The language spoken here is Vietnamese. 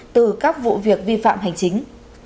từ các vụ việc vi phạm hành chính